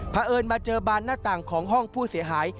เพราะเอิญมาเจอบานหน้าต่างของห้องผู้เสียหาย